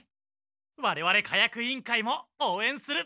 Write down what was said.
われわれ火薬委員会もおうえんする！